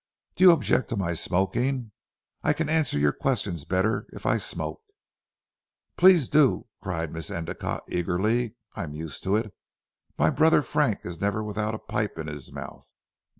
"Do you object to my smoking? I can answer your questions better if I smoke." "Please do," cried Miss Endicotte eagerly. "I am used to it. My brother Frank is never without a pipe in his mouth."